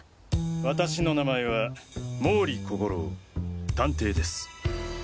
私の名前は毛利小五郎探偵です。